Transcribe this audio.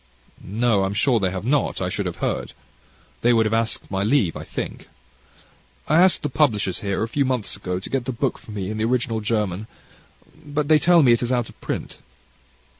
"No, I'm sure they have not I should have heard. They would have asked my leave, I think." "I asked the publishers here, a few months ago, to get the book for me in the original German; but they tell me it is out of print."